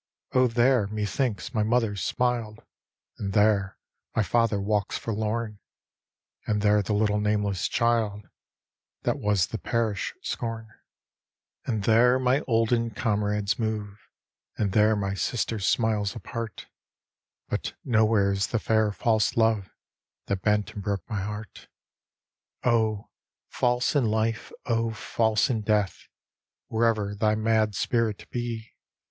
" Oh, there, methinks, my mother smiled. And there my father walks forlorn. And there the litde nameless child That was the parish scorn. D,gt,, erihyGOOgle The Haunted Hour " And there my olden comrades mov^ And there my sister smiles apart, But nowhere is the fair, false love That bent and broke my heart " Oh, false in life, oh, false in death, Wherever thy mad spirit be.